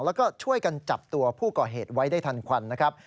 แล้วก็ช่วยกันจับตัวผู้ก่อเหตุไว้ได้ทันควันนะครับ